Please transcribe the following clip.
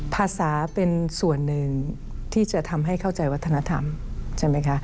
ภาษาเป็นส่วนหนึ่งที่จะทำให้เข้าใจวัฒนธรรมใช่ไหมคะ